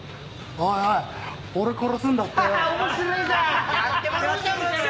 おいおい俺殺すんだってよ！